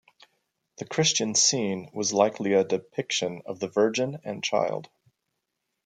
The Christian scene was likely a depiction of the Virgin and Child.